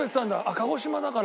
鹿児島だから。